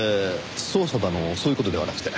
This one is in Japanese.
捜査だのそういう事ではなくて。